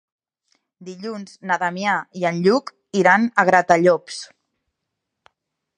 Dilluns na Damià i en Lluc iran a Gratallops.